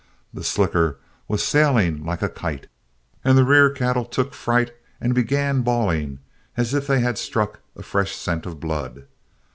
The slicker was sailing like a kite, and the rear cattle took fright and began bawling as if they had struck a fresh scent of blood.